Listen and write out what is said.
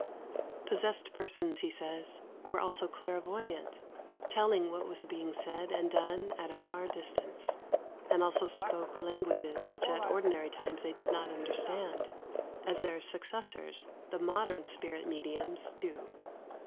Possessed persons, he says, were also clairvoyant, telling what was being said and done at a far distance; and also spoke languages which at ordinary times they did not understand, as their successors, the modern spirit mediums, do.